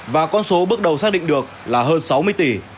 và con số bước đầu xác định được là hơn sáu mươi tỷ